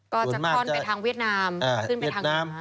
ก็จะคลอนไปทางเวียดนาม